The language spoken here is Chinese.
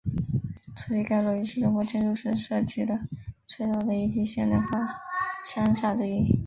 所以该楼也是中国建筑师设计的最早的一批现代化商厦之一。